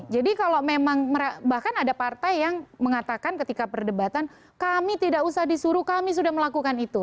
jadi kalau memang bahkan ada partai yang mengatakan ketika perdebatan kami tidak usah disuruh kami sudah melakukan itu